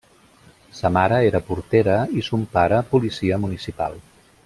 Sa mare era portera i son pare policia municipal.